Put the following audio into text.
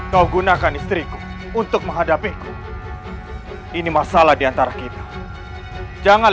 kau gunakan istriku untuk menghadapiku ini masalah diantara kita jangan